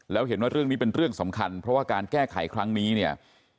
แล้วเห็นว่าเรื่องนี้เป็นเรื่องสำคัญเพราะว่าการแก้ไขครั้งนี้เนี่ย